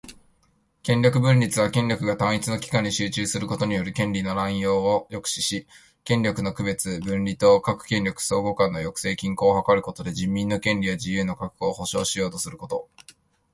権力分立は、権力が単一の機関に集中することによる権利の濫用を抑止し、権力の区別・分離と各権力相互間の抑制・均衡を図ることで、人民の権利や自由の確保を保障しようとすること